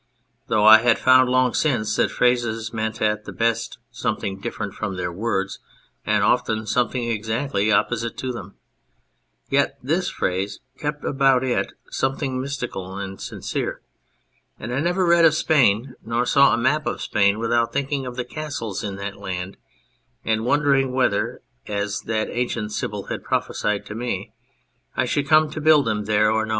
Though I had found long since that phrases mean at the best something different from their words, and often something exactly opposite to them, yet this phrase kept about it something mystical and sincere ; and I never read of Spain nor saw a map of Spain without thinking of the castles in that land, and wondering whether, as that ancient sybil had prophesied to me, I should come to build them there or no.